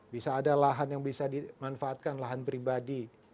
bisa ada lahan yang bisa dimanfaatkan lahan pribadi